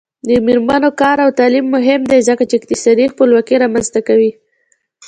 د میرمنو کار او تعلیم مهم دی ځکه چې اقتصادي خپلواکي رامنځته کوي.